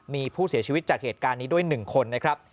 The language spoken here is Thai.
มีผู้เสียชีวิตจากเหตุการณ์นี้ด้วย๑คนนะครับ